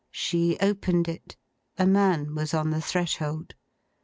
She opened it. A man was on the threshold.